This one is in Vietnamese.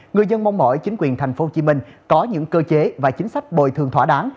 người dân mong mỏi chính quyền tp hcm có những cơ chế và chính sách bồi thường thỏa đáng